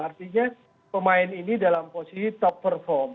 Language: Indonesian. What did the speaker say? artinya pemain ini dalam posisi top perform